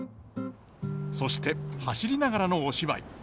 そして走りながらのお芝居。